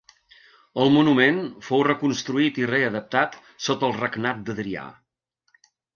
El monument fou reconstruït i readaptat sota el regnat d’Adrià.